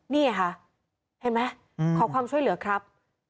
นี่ค่ะเห็นไหมขอความช่วยเหลือครับ